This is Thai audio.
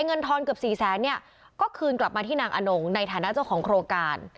เงินทอนเกือบ๔๐๐๐๐๐บาทก็คืนกลับมาที่นางอนงในฐานะเจ้าของโครงการ